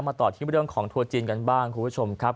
ต่อที่เรื่องของทัวร์จีนกันบ้างคุณผู้ชมครับ